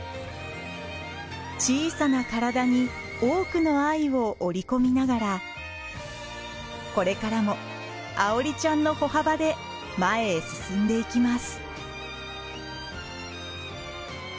小さな体に多くの愛を織り込みながらこれからも愛織ちゃんの歩幅で前へ進んでいきます。